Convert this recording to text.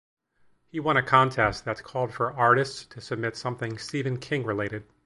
He won a contest that called for artists to submit something Stephen King related.